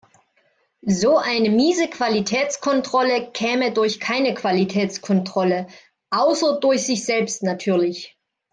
So eine miese Qualitätskontrolle käme durch keine Qualitätskontrolle, außer durch sich selbst natürlich.